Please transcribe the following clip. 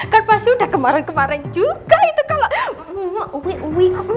kan pasti udah kemarin kemarin juga itu kalau